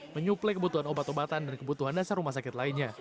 menyuplai kebutuhan obat obatan dan kebutuhan dasar rumah sakit lainnya